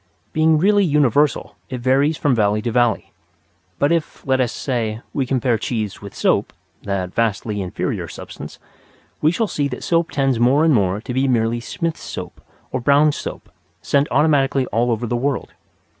Being really universal it varies from valley to valley. But if, let us say, we compare cheese with soap (that vastly inferior substance), we shall see that soap tends more and more to be merely Smith's Soap or Brown's Soap, sent automatically all over the world.